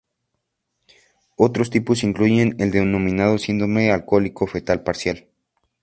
Otros tipos incluyen el denominado síndrome alcohólico fetal parcial.